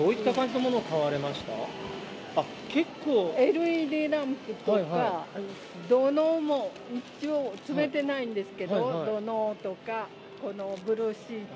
ＬＥＤランプとか、土のうも一応、積めてないんですけど、土のうとか、ブルーシート。